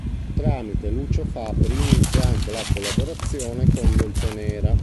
Tramite Lucio Fabbri, inizia anche la collaborazione con Dolcenera.